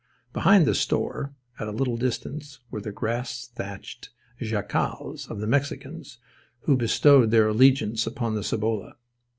Behind the store, at a little distance, were the grass thatched jacals of the Mexicans who bestowed their allegiance upon the Cibolo.